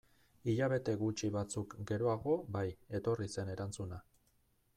Hilabete gutxi batzuk geroago bai, etorri zen erantzuna.